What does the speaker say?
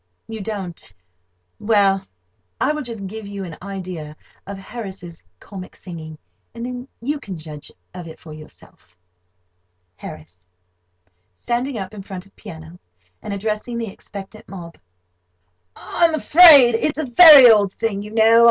You don't—well, I will just give you an idea of Harris's comic singing, and then you can judge of it for yourself. [Picture: Harris] HARRIS (standing up in front of piano and addressing the expectant mob): "I'm afraid it's a very old thing, you know.